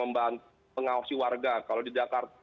mengawasi warga kalau di jakarta